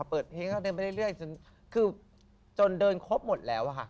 เปิดเพลงก็เดินไปเรื่อยจนคือจนเดินครบหมดแล้วอะค่ะ